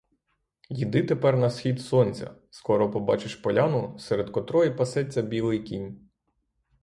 Йди тепер на схід сонця, скоро побачиш поляну, серед котрої пасеться білий кінь.